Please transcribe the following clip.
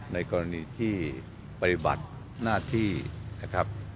ในกรณีที่ปฏิบัติหน้าที่นะครับ